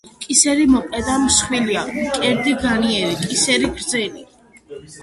კისერი მოკლე და მსხვილია, მკერდი განიერი, კისერი გრძელი.